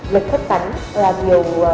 lật thất tắn là điều